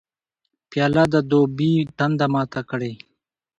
پیاله د دوبي تنده ماته کړي.